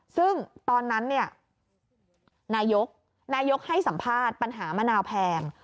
ซึ่งตอนนั้นนายกให้สัมภาษณ์ปัญหามะนาวแพง